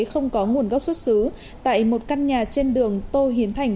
không có nguồn gốc xuất xứ tại một căn nhà trên đường tô hiến thành